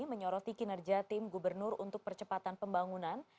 menyoroti kinerja tim gubernur untuk percepatan pembangunan